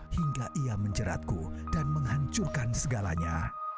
hingga ia menjeratku dan menghancurkan segalanya